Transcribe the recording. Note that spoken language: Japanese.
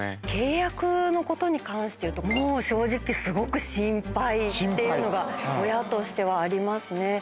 契約のことに関していうともう正直すごく心配っていうのが親としてはありますね。